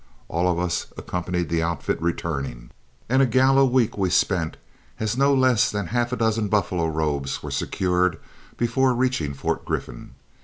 All of us accompanied the outfit returning, and a gala week we spent, as no less than half a dozen buffalo robes were secured before reaching Fort Griffin.